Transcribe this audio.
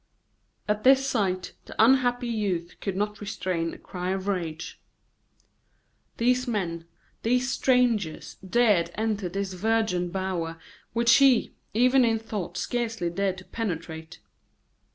At this sight the unhappy youth could not restrain a cry of rage. These men, these strangers, dared enter this virgin bower, which he, even in thought, scarcely dared to penetrate.